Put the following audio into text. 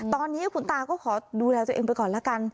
ตอนนี้คุณตาก็ขอดูแลตัวเองไปก่อนละกัน